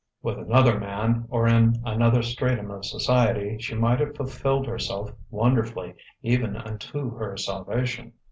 With another man, or in another stratum of society, she might have fulfilled herself wonderfully, even unto her salvation....